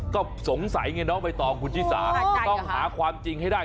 ก็สงสัยไงน้องใบตองคุณชิสาต้องหาความจริงให้ได้